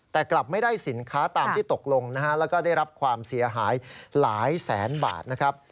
แต่กลับไม่ได้สินค้าตามที่ตกลงนะฮะแล้วก็ได้รับความเสียหายหลายแสนบาทนะครับ